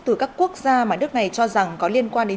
từ các quốc gia mà nước này cho rằng có liên quan đến